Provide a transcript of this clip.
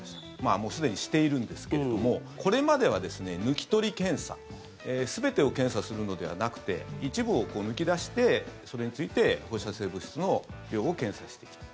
もうすでにしているんですけれどもこれまでは抜き取り検査全てを検査するのではなくて一部を抜き出してそれについて放射性物質の量を検査してきた。